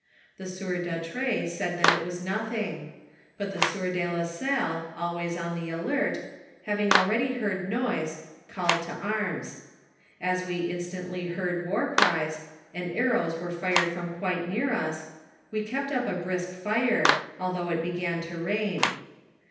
The sieur Dautray said that it was nothing ; but the sieur de la Salle, always on the alert, having already heard noise, called to arms. As we instantly heard war cries, and aiTOWs were fired from quite near us, we kept up a brisk fire, although it began to rain.